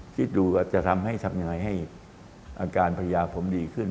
คิดดูก็จะทำให้ชัดว่าอาการพระยาผมจะได้ขึ้น